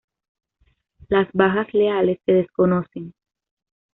Las bajas leales se desconocen.